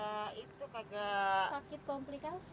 itu kagak sakit komplikasi